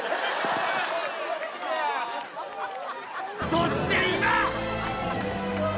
そして今。